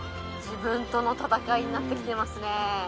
自分との戦いになってきてますね。